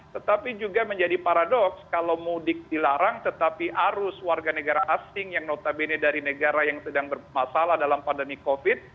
tetapi juga menjadi paradoks kalau mudik dilarang tetapi arus warga negara asing yang notabene dari negara yang sedang bermasalah dalam pandemi covid